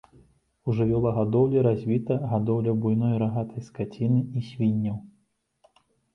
У жывёлагадоўлі развіта гадоўля буйной рагатай скаціны і свінняў.